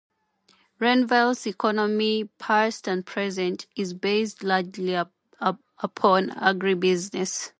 Renville's economy, past and present, is based largely upon agribusiness.